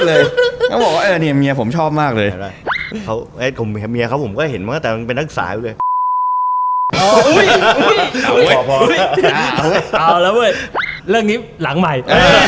เออเว่ยเอาละเว่ยเรื่องนี้หลังใหม่